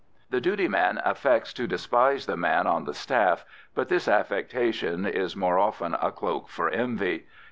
The duty man affects to despise the man on the staff, but this affectation is more often a cloak for envy.